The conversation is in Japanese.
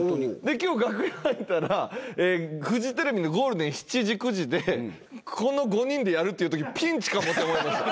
今日楽屋入ったらフジテレビのゴールデン７時９時でこの５人でやるって。って思いました。